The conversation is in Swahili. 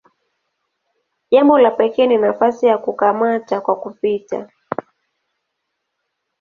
Jambo la pekee ni nafasi ya "kukamata kwa kupita".